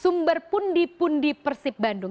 sumber pundi pundi persib bandung